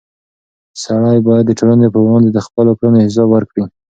سړی باید د ټولنې په وړاندې د خپلو کړنو حساب ورکړي.